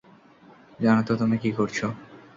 জানো তো তুমি কি করছো।